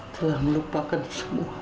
telah melupakan semua